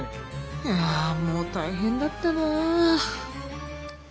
いやもう大変だったなあ。